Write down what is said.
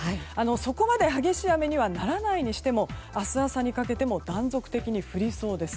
そこまで激しい雨にはならないにしても明日朝にかけても断続的に降りそうです。